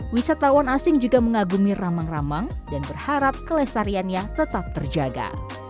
wisatawan asing juga mengagumi ramang ramang dan berharap kelestariannya tetap terjaga